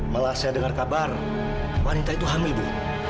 malah saya dengar kabar wanita itu hamil ibu